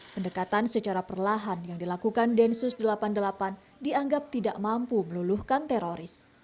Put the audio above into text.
pendekatan secara perlahan yang dilakukan densus delapan puluh delapan dianggap tidak mampu meluluhkan teroris